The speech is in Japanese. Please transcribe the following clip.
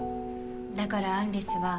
だからアン・リスは